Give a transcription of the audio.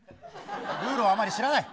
ルールをあんまり知らない。